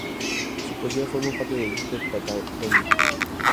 Su poesía forma parte del disco "Patagonia.